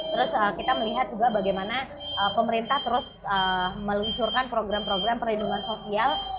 terus kita melihat juga bagaimana pemerintah terus meluncurkan program program perlindungan sosial